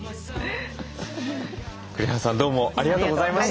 栗原さんどうもありがとうございました。